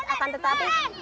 akan tetapi hidup